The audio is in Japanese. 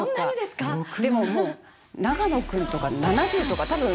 でももう長野君とか７０とか。